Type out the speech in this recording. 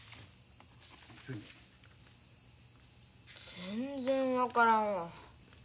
全然分からんわ。